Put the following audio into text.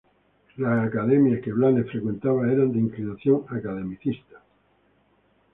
Las academias que Blanes frecuentaba eran de inclinación academicista.